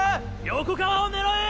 横川を狙え！